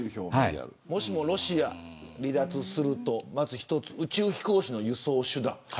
もしロシアが離脱するとまず１つ、宇宙飛行士の輸送手段